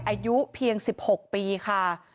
อายุเพียง๑๖ปีค่ะ